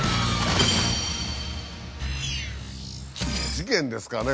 事件ですかね？